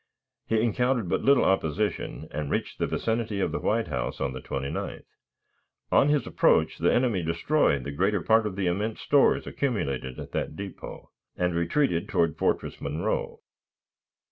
He encountered but little opposition, and reached the vicinity of the White House on the 29th. On his approach the enemy destroyed the greater part of the immense stores accumulated at that depot, and retreated toward Fortress Monroe.